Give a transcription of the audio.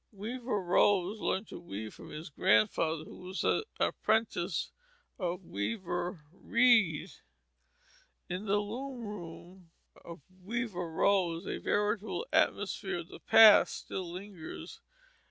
Weaver Rose learned to weave from his grandfather, who was an apprentice of Weaver Read. In the loom room of Weaver Rose a veritable atmosphere of the past still lingers.